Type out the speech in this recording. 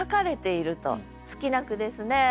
好きな句ですね。